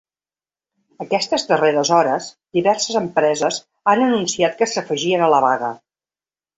Aquestes darreres hores, diverses empreses han anunciat que s’afegien a la vaga.